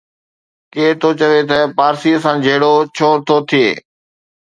ڪير ٿو چوي ته پارسيءَ سان جهيڙو ڇو ٿو ٿئي.